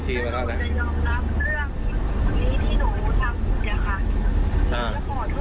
หนูจะกลับตัวใหม่